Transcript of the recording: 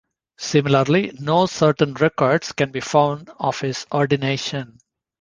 Similarly, no certain records can be found of his ordination.